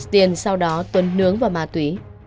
tiền sau đó tuấn nướng vào ma túy